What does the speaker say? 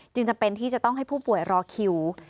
จำเป็นที่จะต้องให้ผู้ป่วยรอคิว